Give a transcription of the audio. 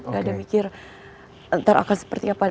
gak ada mikir ntar akan seperti apa